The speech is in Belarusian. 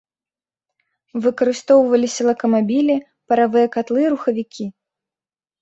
Выкарыстоўваліся лакамабілі, паравыя катлы і рухавікі.